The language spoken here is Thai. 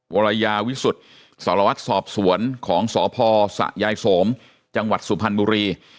วรยาวิสุทธิ์สารวัตรสอบสวนของสพสะยายโสมจังหวัดสุพรรณบุรี